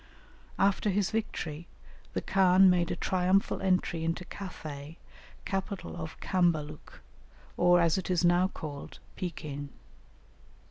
After his victory the khan made a triumphal entry into Cathay, capital of Cambaluc, or, as it is now called, Pekin.